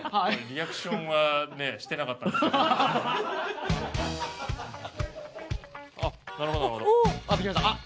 リアクションはしてなかったんですけど。